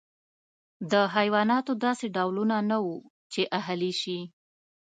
د حیواناتو داسې ډولونه نه وو چې اهلي شي.